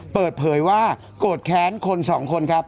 เปิดเผยว่าโกรธแค้นคนสองคนครับ